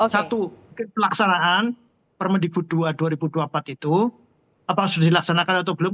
satu pelaksanaan permendikbud dua dua ribu dua puluh empat itu apakah sudah dilaksanakan atau belum